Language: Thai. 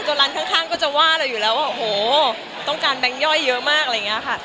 ตัวร้านข้างก็จะว่าเราอยู่แล้วว่าโหต้องการแบงค์ย่อยเยอะมาก